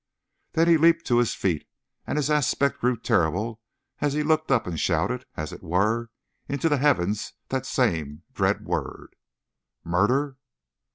Then he leaped to his feet, and his aspect grew terrible as he looked up and shouted, as it were, into the heavens that same dread word: "Murder!"